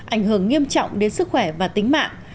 ảnh hưởng nghiêm trọng đến sức khỏe và tính mạng